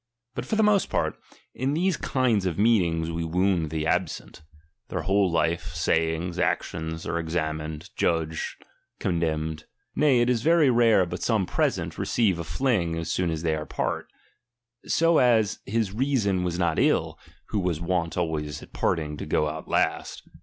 But for the most part, in these kinds of meeting we wound the absent ; their whole life, sayings, actions are ex amined, judged, condemned. Nay, it is very rare hut some present receive a fling as soon as they part ; so as his reason was not ill, who was wont always at parting to go out last.